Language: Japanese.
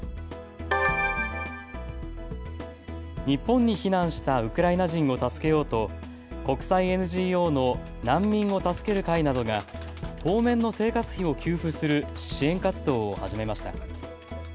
日本に避難したウクライナ人を助けようと国際ＮＧＯの難民を助ける会などが当面の生活費を給付する支援活動を始めました。